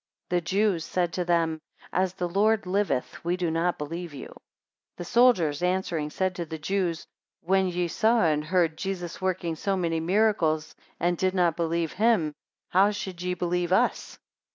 9 The Jews said to them, As the Lord liveth, we do not believe you; 10 The soldiers answering said to the Jews, when ye saw and heard Jesus working so many miracles, and did not believe him, how should ye believe us?